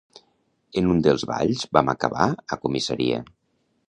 En un dels balls vam acabar a comissaria